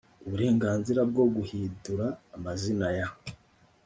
uburenganzira bwo guhidura amazina ya